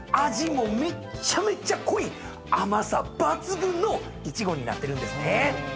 味もめっちゃめちゃ濃い甘さ抜群のイチゴになってるんですね。